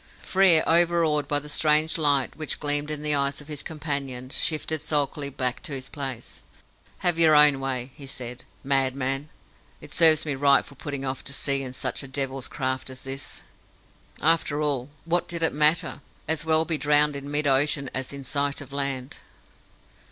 Frere, overawed by the strange light which gleamed in the eyes of his companion, shifted sulkily back to his place. "Have your own way," he said, "madman! It serves me right for putting off to sea in such a devil's craft as this!" After all, what did it matter? As well be drowned in mid ocean as in sight of land.